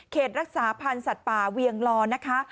รักษาพันธ์สัตว์ป่าเวียงลอนะคะ